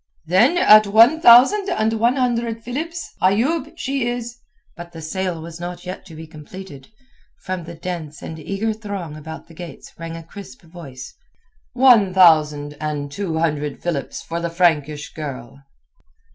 "Then at one thousand and one hundred philips, Ayoub, she is...." But the sale was not yet to be completed. From the dense and eager throng about the gates rang a crisp voice— "One thousand and two hundred philips for the Frankish girl."